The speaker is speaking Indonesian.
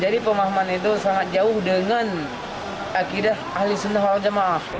jadi pemahaman itu sangat jauh dari akidah ahli senahwa jemaah